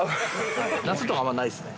夏とかあんまないですね。